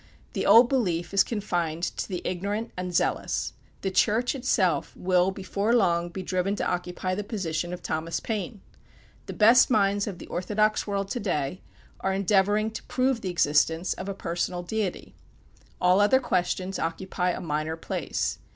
The old belief is confined to the ignorant and zealous. The Church itself will before long be driven to occupy the position of Thomas Paine. The best minds of the orthodox world, to day, are endeavoring to prove the existence of a personal Deity. All other questions occupy a minor place.